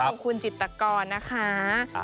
ขอบคุณจิตกรนะคะ